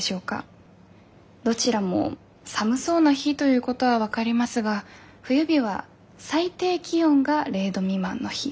どちらも寒そうな日ということは分かりますが冬日は最低気温が０度未満の日。